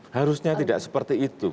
harusnya tidak seperti itu